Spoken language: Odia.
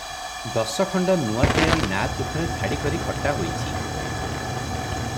ଦଶଖଣ୍ଡ ନୂଆ ତିଆରି ନାଆ ତୁଠରେ ଧାଡ଼ି କରି ଖଟା ହୋଇଛି ।